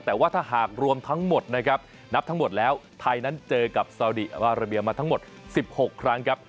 แต่ว่าถ้าหากรวมทั้งหมดนะครับนับทั้งหมดแล้วไทยนั้นเจอกับซาวดีอาราเบียมาทั้งหมด๑๖ครั้งครับ